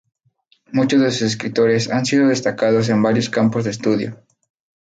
Muchos de sus escritores han sido destacados en varios campos de estudio.